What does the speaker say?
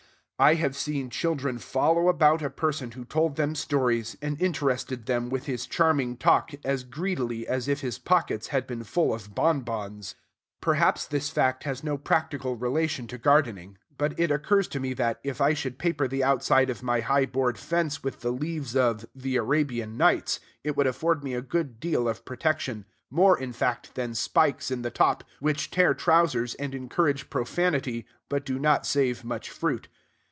I have seen children follow about a person who told them stories, and interested them with his charming talk, as greedily as if his pockets had been full of bon bons. Perhaps this fact has no practical relation to gardening; but it occurs to me that, if I should paper the outside of my high board fence with the leaves of "The Arabian Nights," it would afford me a good deal of protection, more, in fact, than spikes in the top, which tear trousers and encourage profanity, but do not save much fruit.